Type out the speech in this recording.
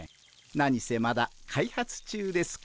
何せまだ開発中ですから。